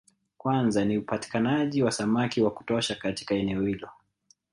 Kwanza ni upatikanaji wa samaki wa kutosha katika eneo hilo